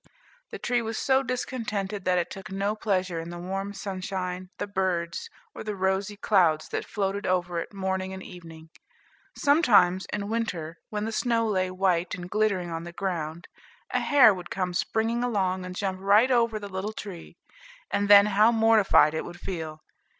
The tree was so discontented, that it took no pleasure in the warm sunshine, the birds, or the rosy clouds that floated over it morning and evening. Sometimes, in winter, when the snow lay white and glittering on the ground, a hare would come springing along, and jump right over the little tree; and then how mortified it would feel!